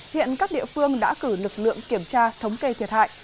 hiện các địa phương đã cử lực lượng kiểm tra thống kê thiệt hại